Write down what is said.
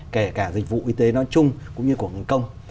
kể cả dịch vụ y tế nó chung cũng như của ngành công